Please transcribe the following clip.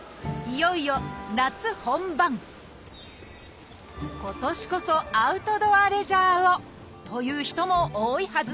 いよいよ夏本番今年こそアウトドアレジャーを！という人も多いはず。